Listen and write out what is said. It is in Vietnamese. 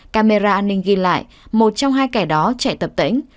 camera an ninh ghi lại một trong hai kẻ đó chạy tập tỉnh